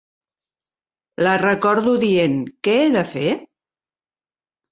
La recordo dient "Què he de fer?"